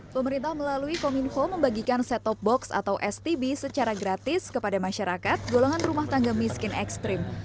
pemerintah melalui kominfo membagikan set top box atau stb secara gratis kepada masyarakat golongan rumah tangga miskin ekstrim